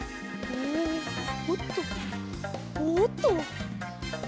おっとおっと。